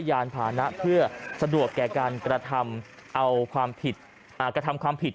ยานพานะเพื่อสะดวกแก่การกระทำเอาความผิดกระทำความผิด